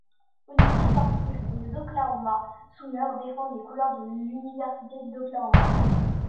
Au niveau sportif, les Oklahoma Sooners défendent les couleurs de l'université d'Oklahoma.